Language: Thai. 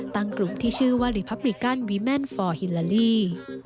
กลุ่มที่ชื่อว่าลีพับริกันวิแม่นฟอร์ฮิลาลี